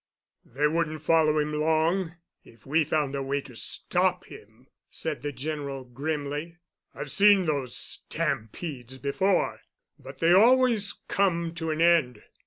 "They wouldn't follow him long if we found a way to stop him," said the General grimly. "I've seen those stampedes before, but they always come to an end.